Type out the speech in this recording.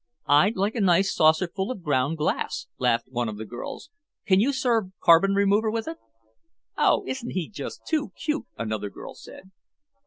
"I'd like a nice saucerful of ground glass," laughed one of the girls. "Can you serve carbon remover with it?" "Oh, isn't he just too cute!" another girl said.